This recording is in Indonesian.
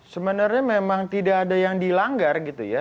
sebenarnya memang tidak ada yang dilanggar gitu ya